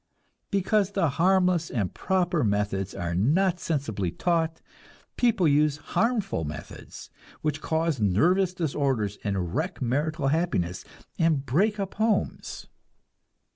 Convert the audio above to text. Because the harmless and proper methods are not sensibly taught, people use harmful methods, which cause nervous disorders, and wreck marital happiness, and break up homes.